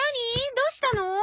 どうしたの？